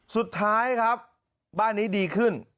สุดท้ายครับบ้านนี้ดีขึ้น